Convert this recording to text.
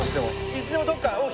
いつでもどっかうん。